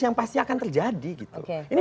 yang pasti akan terjadi gitu ini